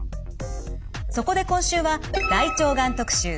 そこで今週は「大腸がん特集」。